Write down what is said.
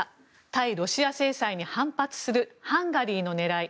対ロシア制裁に反発するハンガリーの狙い。